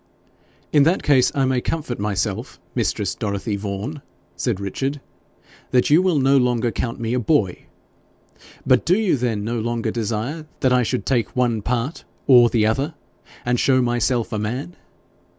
'In that case I may comfort myself, mistress Dorothy Vaughan,' said Richard, 'that you will no longer count me a boy! But do you then no longer desire that I should take one part OR the other and show myself a man?